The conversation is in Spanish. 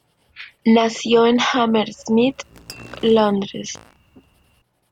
Nació en Hammersmith, Londres.